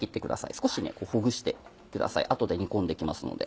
少しほぐしてください後で煮込んで行きますので。